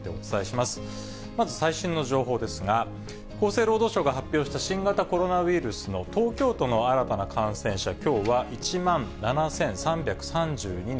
まず最新の情報ですが、厚生労働省が発表した新型コロナウイルスの東京都の新たな感染者、きょうは１万７３３２人。